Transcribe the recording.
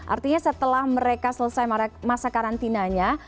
artinya setelah mereka selesai masa karantinanya